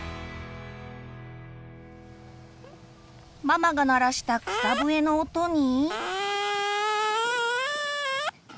ママが鳴らした草笛の音に。